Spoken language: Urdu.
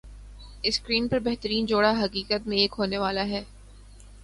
اسکرین پر بہترین جوڑا حقیقت میں ایک ہونے والا ہے